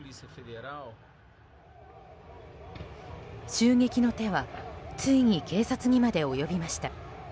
襲撃の手はついに警察にまで及びました。